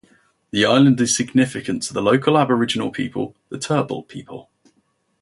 The island is significant to the local Aboriginal people, the Turrbal people.